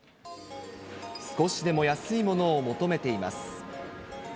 少しでも安いものを求めています。